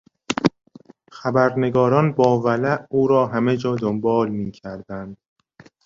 خبرنگاران با ولع او را همهجا دنبال میکردند.